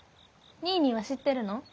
ニーニーは知ってるの？